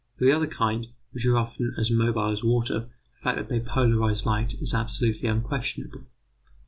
For the other kind, which are often as mobile as water, the fact that they polarize light is absolutely unquestionable.